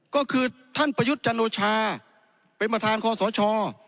ก็คือท่านประยุทธ์จันโอชาเป็นประธานคอสช